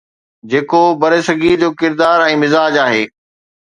جيڪو برصغير جو ڪردار ۽ مزاج آهي.